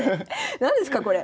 何ですかこれ。